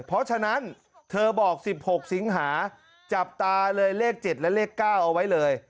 เพราะฉะนั้นเธอบอก๑๖สิงหาจับตาเลยเลข๗และเลข๙เอาไว้เลย